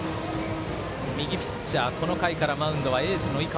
右ピッチャー、この回からマウンドはエースの井川。